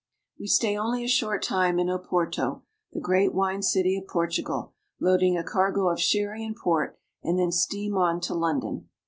We stay only a short time in Oporto, the great wine city of Portugal, loading a cargo of sherry and port, and then steam on to London.